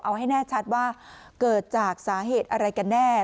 เอาให้แน่ชัดว่าเกิดจากสาเหตุอะไรกันแน่